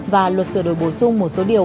và luật sửa đổi bổ sung một số điều